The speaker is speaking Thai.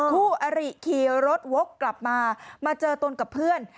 คู่อริขี่รถวกกลับมามาเจอตนกับเพื่อน